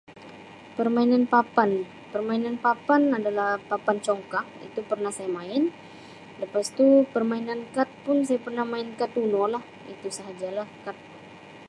Permainan papan permainan papan adalah papan congkak itu pernah saya main lepas tu permainan kad pun saya pernah main kad Uno lah itu sahaja lah kad.